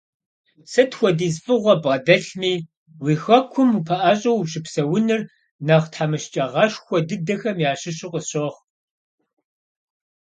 Сыт хуэдиз фӀыгъуэ ббгъэдэлъми, уи Хэкум упэӀэщӀэу ущыпсэуныр нэхъ тхьэмыщкӀагъэшхуэ дыдэхэм ящыщу къысщохъу.